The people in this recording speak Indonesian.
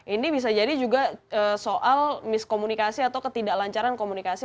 ini bisa jadi juga soal miskomunikasi atau ketidaklancaran komunikasi